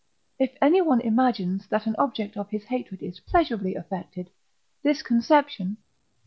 If anyone imagines that an object of his hatred is pleasurably affected, this conception (III.